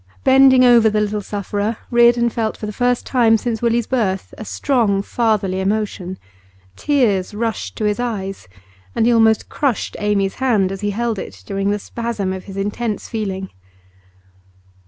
Bending over the little sufferer, Reardon felt for the first time since Willie's birth a strong fatherly emotion; tears rushed to his eyes, and he almost crushed Amy's hand as he held it during the spasm of his intense feeling.